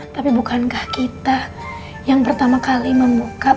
tapi bukankah kita yang pertama kali membuka pola pikir mereka